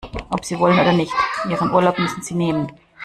Ob Sie wollen oder nicht, Ihren Urlaub müssen Sie nehmen.